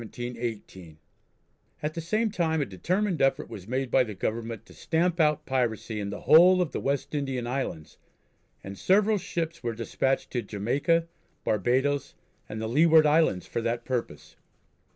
At the same time a determined effort was made by the Government to stamp out piracy in the whole of the West Indian Islands, and several ships were despatched to Jamaica, Barbadoes, and the Leeward Islands for that purpose.